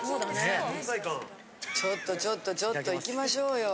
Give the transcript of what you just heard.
・存在感・ちょっとちょっとちょっといきましょうよ。